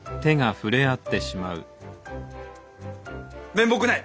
面目ない！